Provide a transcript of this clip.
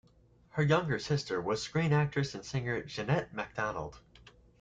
Her younger sister was screen actress and singer Jeanette MacDonald.